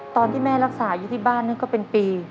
ตอนที่แม่รักษาอยู่ที่บ้านนี่ก็เป็นปี